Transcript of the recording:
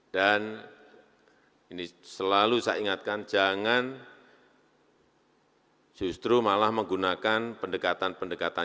dan ini selalu saya ingatkan jangan justru malah menggunakan pendekatan pendekatan